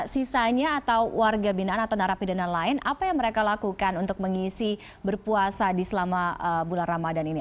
sisanya atau warga binaan atau narapidana lain apa yang mereka lakukan untuk mengisi berpuasa di selama bulan ramadan ini